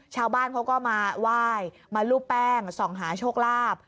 ชาวบ้านเขาก็มาไหว้มารูปแป้งส่องหาโชคลาภ